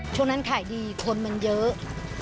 ช่วงนั้นขายดีคนมันเยอะ